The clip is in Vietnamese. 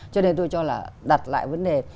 cho nên tôi cho là đặt lại vấn đề